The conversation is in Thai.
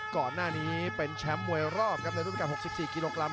ก่อนหน้านี้เป็นแชมป์มวยรอบครับในรุ่นการ๖๔กิโลกรัม